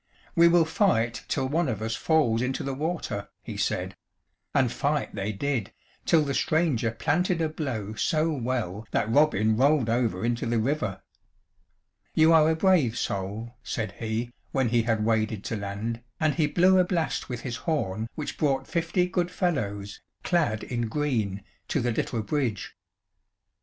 "We will fight till one of us falls into the water," he said; and fight they did, till the stranger planted a blow so well that Robin rolled over into the river. "You are a brave soul," said he, when he had waded to land, and he blew a blast with his horn which brought fifty good fellows, clad in green, to the little bridge.